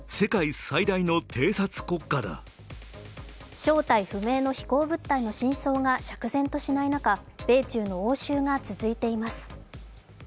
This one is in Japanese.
正体不明の飛行物体の真相が釈然としない中、米中の応酬が続いています。